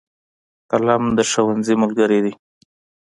قلم د ښوونځي ملګری دی.